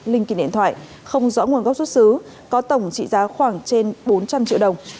linh kiện điện thoại không rõ nguồn gốc xuất xứ có tổng trị giá khoảng trên bốn trăm linh triệu đồng